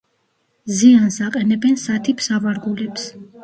ზიანს აყენებენ სათიბ სავარგულებს.